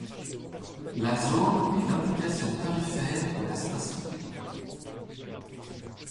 La zone est l'indication tarifaire de la station.